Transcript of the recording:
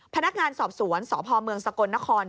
พนักงานสอบสวนสพเมืองสกลนคร